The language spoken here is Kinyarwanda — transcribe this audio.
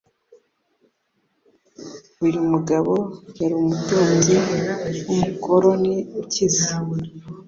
uyu mugabo yari umutunzi wumukoloni ukize